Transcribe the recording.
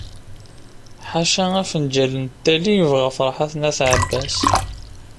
Ḥaca afenǧal n ttay i yebɣa Ferḥat n At Ɛebbas.